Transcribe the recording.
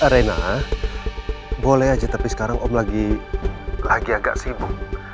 arena boleh aja tapi sekarang om lagi agak sibuk